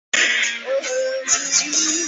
涉嫌犯罪问题已移送司法机关处理。